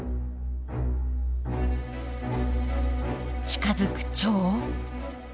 近づくチョウを。